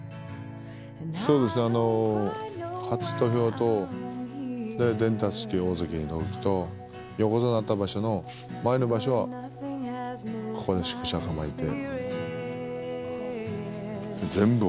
そうですね初土俵と伝達式大関の時と横綱になった場所の前の場所はここで宿舎構えて。